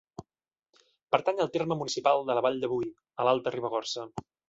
Pertany al terme municipal de la Vall de Boí, a l'Alta Ribagorça.